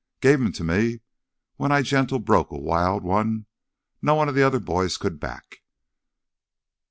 Gave 'em to me when I gentle broke a wild one none o' th' other boys could back.